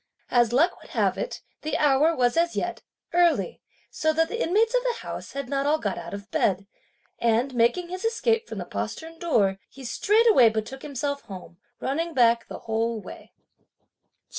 As luck would have it, the hour was as yet early, so that the inmates of the house had not all got out of bed; and making his escape from the postern door, he straightaway betook himself home, running back the whole way.